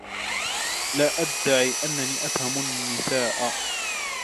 لا أدعي أنني أفهم النساء.